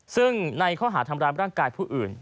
ซึ่งในข้อหาทำร้ายร่างกายผู้อื่น